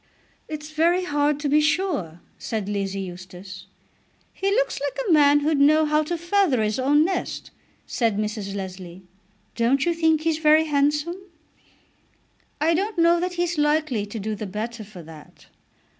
"It's very hard to be sure," said Lizzie Eustace. "He looks like a man who'd know how to feather his own nest," said Mrs. Leslie. "Don't you think he's very handsome?" "I don't know that he's likely to do the better for that."